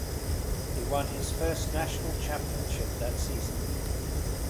He won his first National Championship that season.